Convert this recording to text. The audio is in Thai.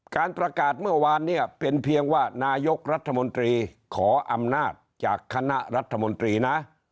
การประกาศเมื่อวานเนี่ยเป็นเพียงว่านายกรัฐมนตรีขออำนาจจากคณะรัฐมนตรีนะ